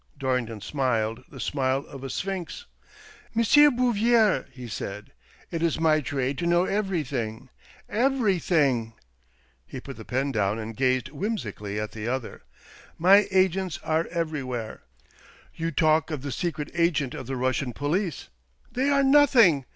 Dorrington smiled the smile of a sphinx. "M. Bouvier," he said, "it is my trade to know everything — everything." He put the pen down and gazed whimsically at the other. " My agents are everywhere. You talk of the secret agent of the Kussian police — they are nothing.